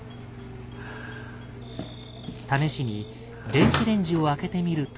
試しに電子レンジを開けてみると。